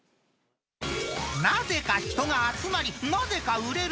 なぜか人が集まり、なぜか売れる。